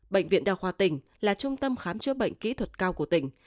bệnh viện đa khoa tỉnh là trung tâm khám chữa bệnh kỹ thuật cao của tỉnh